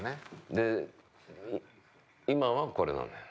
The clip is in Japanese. で今はこれなのよ。